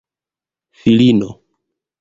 filino